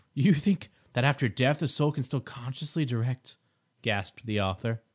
"You think that after death a soul can still consciously direct—" gasped the author.